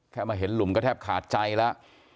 มาเห็นหลุมก็แทบขาดใจแล้ว